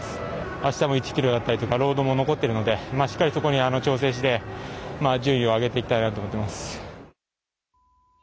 あしたも１キロあったりロードも残っているのでそこに調整して順位を上げていけたらなと思っています。